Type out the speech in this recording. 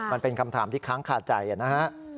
มันเป็นคำถามที่ค้างคาใจนะฮะ